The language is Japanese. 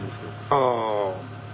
ああ。